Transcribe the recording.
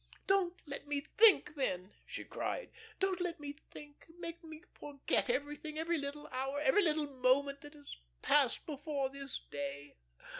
"Don't let me think, then," she cried. "Don't let me think. Make me forget everything, every little hour, every little moment that has passed before this day.